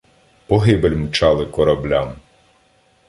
Погибель мчали кораблям.